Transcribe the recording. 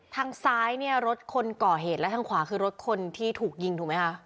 ทางซ้ายเนี่ยรถคนก่อเหตุและทางขวาคือรถคนที่ถูกยิงถูกไหมคะ